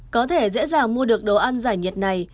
có thể dễ dàng mua được đồ ăn giải nhiệt này